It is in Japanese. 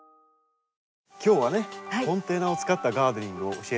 今日はねコンテナを使ったガーデンを教えていただきました。